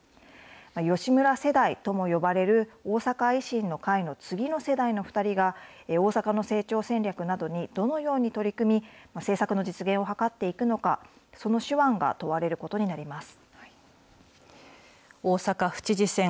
吉村世代とも呼ばれる大阪維新の会の次の世代の２人が、大阪の成長戦略などにどのように取り組み、政策の実現を図っていくのか、その手腕が問われることになります。